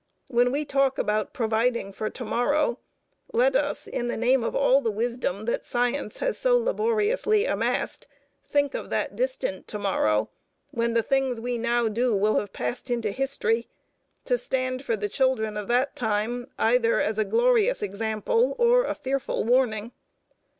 When we talk about providing for to morrow, let us, in the name of all the wisdom that science has so laboriously amassed, think of that distant to morrow when the things we now do will have passed into history, to stand for the children of that time either as a glorious example or a fearful warning.